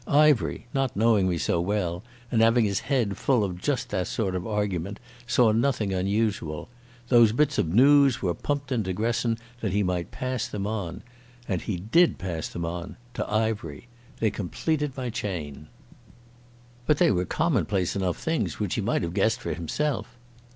Ivery, not knowing me so well, and having his head full of just that sort of argument, saw nothing unusual. Those bits of noos were pumped into Gresson that he might pass them on. And he did pass them on—to Ivery. They completed my chain." "But they were commonplace enough things which he might have guessed for himself."